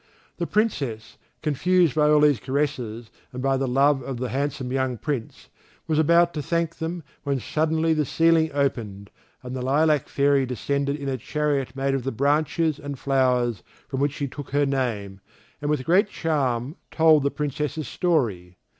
The Princess, confused by all these caresses and by the love of the handsome young Prince, was about to thank them when suddenly the ceiling opened, and the Lilac fairy descended in a chariot made of the branches and flowers from which she took her name, and, with great charm, told the Princess's story.